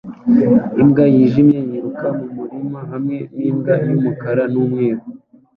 Imbwa yijimye yiruka mu murima hamwe n'imbwa y'umukara n'umweru